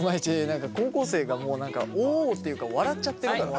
高校生がもう何かおおっていうか笑っちゃってるから。